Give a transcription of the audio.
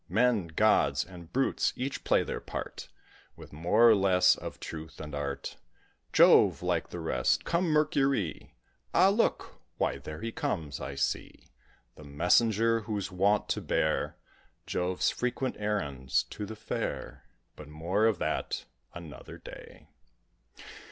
Men, gods, and brutes each play their part, With more or less of truth and art. Jove like the rest come, Mercury; Ah! look, why there he comes, I see; The messenger who's wont to bear Jove's frequent errands to the fair But more of that another day.